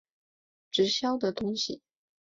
直销的东西